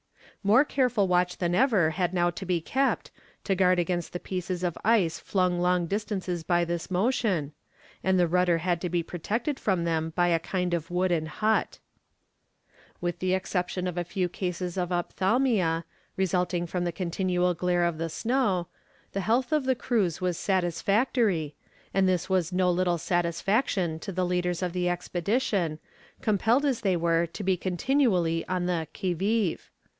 More careful watch than ever had now to be kept, to guard against the pieces of ice flung long distances by this motion, and the rudder had to be protected from them by a kind of wooden hut. [Illustration: "The rudder had to be protected."] With the exception of a few cases of ophthalmia, resulting from the continual glare of the snow, the health of the crews was satisfactory, and this was no little satisfaction to the leaders of the expedition, compelled as they were to be continually on the qui vive.